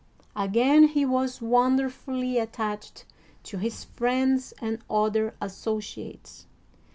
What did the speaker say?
Again, he was wonderfully attached to his friends and other associates.